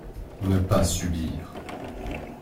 Ne pas subir